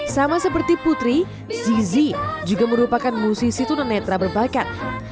sama seperti putri zizi juga merupakan musisi tunanetra berbakat